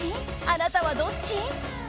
あなたはどっち？